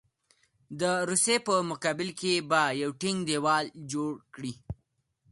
د روسیې په مقابل کې به یو ټینګ دېوال جوړ کړي.